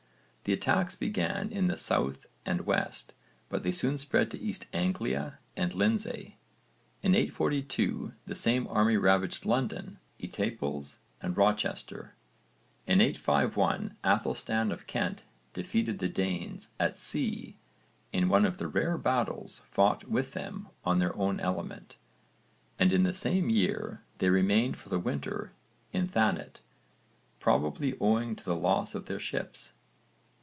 The attacks began in the south and west but they soon spread to East Anglia and Lindsey. In 842 the same army ravaged London, Étaples and Rochester. In 851 Aethelstan of Kent defeated the Danes at sea in one of the rare battles fought with them on their own element, and in the same year they remained for the winter in Thanet, probably owing to the loss of their ships.